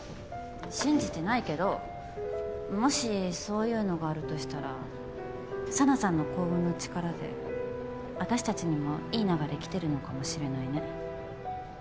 信じてないけどもしそういうのがあるとしたら紗菜さんの幸運の力で私たちにも良い流れ来てるのかもしれないね。